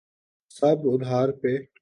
سب ادھار پہ۔